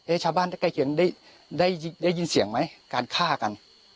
ชาวบ้านใกล้เคียงได้ยินเสียงไหมการฆ่ากัน